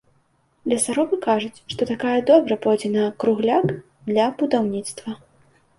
Лесарубы кажуць, што такая добра пойдзе на кругляк для будаўніцтва.